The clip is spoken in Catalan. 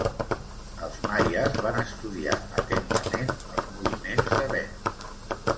Els maies van estudiar atentament els moviments de Venus.